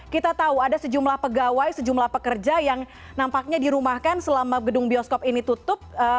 kita tahu ada sejumlah pegawai sejumlah pekerja yang nampaknya dirumahkan selama gedung bioskop ini tutup